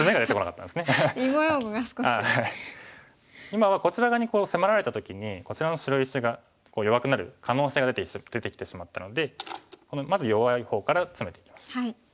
今はこちら側に迫られた時にこちらの白石が弱くなる可能性が出てきてしまったのでまず弱い方からツメていきましょう。